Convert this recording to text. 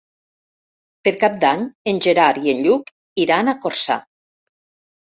Per Cap d'Any en Gerard i en Lluc iran a Corçà.